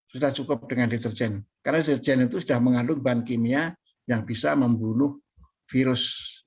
sudah cukup dengan deterjen karena deterjen itu sudah mengandung bahan kimia yang bisa membunuh virus